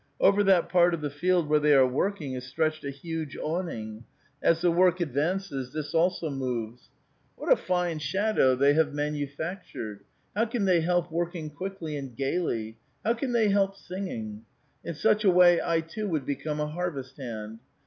Over that part of the field where tliey are working is stretched a huge awning ; as the work advances, this also moves. What a fine shadow they have 380 A VITAL QUESTION. manufactured ! How can they help working quickly and gayly? How can they help singing? In such a way I too would become a harvest hand.